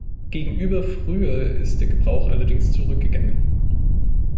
Gegenüber früher ist der Gebrauch allerdings zurückgegangen.